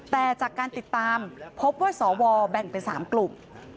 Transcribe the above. แต่จากการติดตามพบว่าสวแบ่งเป็น๓กลุ่ม